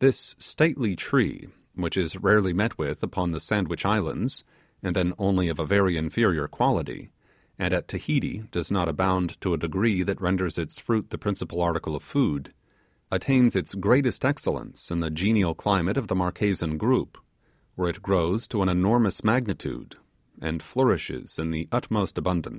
This stately tree, which is rarely met with upon the Sandwich Islands, and then only of a very inferior quality, and at Tahiti does not abound to a degree that renders its fruit the principal article of food, attains its greatest excellence in the genial climate of the Marquesan group, where it grows to an enormous magnitude, and flourishes in the utmost abundance.